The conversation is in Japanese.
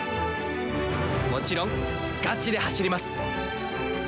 もちろんガチで走ります。